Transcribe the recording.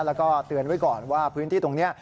แล้วก็เตือนไว้ก่อนว่าพื้นที่ตรงนี้